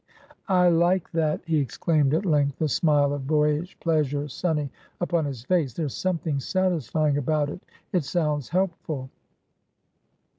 "I like that!" he exclaimed at length, the smile of boyish pleasure sunny upon his face. "There's something satisfying about it. It sounds helpful."